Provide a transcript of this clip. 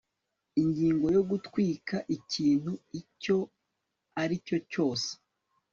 ingingo yo gutwika ikintu icyo ari cyo cyose